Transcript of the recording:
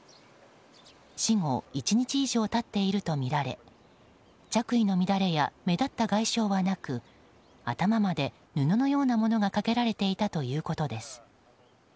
死後１日以上経っているとみられ着衣の乱れや目立った外傷はなく頭まで布のようなものがかけられていたということです。